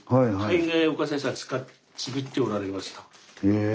へえ。